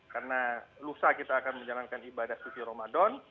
karena lusa kita akan menjalankan ibadah suci ramadan